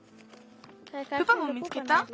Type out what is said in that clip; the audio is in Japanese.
プパも見つけた？